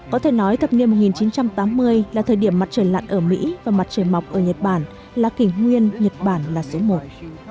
có thể nói thập niên một nghìn chín trăm tám mươi là thời điểm mặt trời lặn ở mỹ và mặt trời mọc ở nhật bản là kỷ nguyên nhật bản là số một